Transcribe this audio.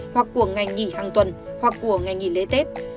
hoặc của ngày nghỉ hàng tuần hoặc của ngày nghỉ lễ tết